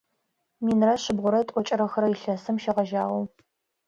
Минрэ шъибгъурэ тӏокӏрэ хырэ илъэсым шегъэжьагъэу.